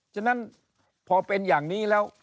ฉะนั้นพอเป็นอย่างนี้แล้ว